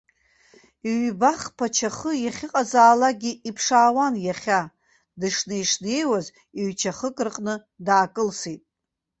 Ҩба-хԥа чахы иахьыҟазаалакгьы иԥшаауан иахьа, дышнеи-шнеиуаз ҩ-чахык рҟны даакылсит.